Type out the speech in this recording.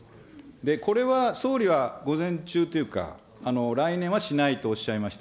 これは総理は午前中というか、来年はしないとおっしゃいました。